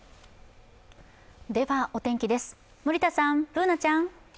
ではお天気です、森田さん、Ｂｏｏｎａちゃん。